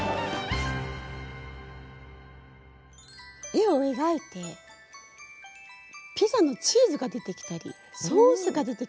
絵を描いてピザのチーズが出てきたりソースが出てきたりってびっくりしましたね。